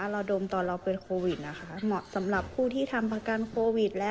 เราโดมตอนเราเป็นโควิดสำหรับผู้ที่ทำประกันโควิด